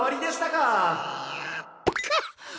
かっ！